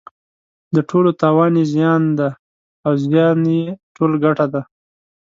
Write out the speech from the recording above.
د ټولو تاوان یې زیان دی او زیان یې ټول ګټه ده.